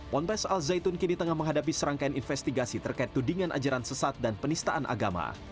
ponpes al zaitun kini tengah menghadapi serangkaian investigasi terkait tudingan ajaran sesat dan penistaan agama